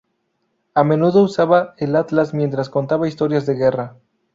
A menudo usaba el atlas mientras contaba historias de guerra.